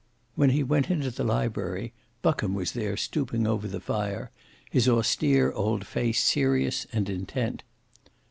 When he went into the library Buckham was there stooping over the fire, his austere old face serious and intent.